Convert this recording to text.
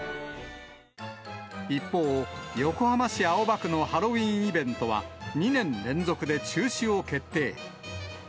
一方、横浜市青葉区のハロウィーンイベントは、２年連続で中止を決定。